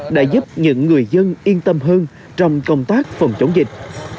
đã giúp những người dân yên tâm hơn trong công tác phòng chống dịch